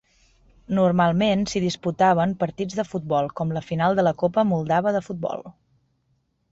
Normalment s'hi disputaven partits de futbol, com la final de la copa moldava de futbol.